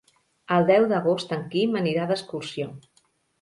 El deu d'agost en Quim anirà d'excursió.